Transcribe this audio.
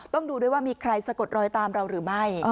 ดูด้วยว่ามีใครสะกดรอยตามเราหรือไม่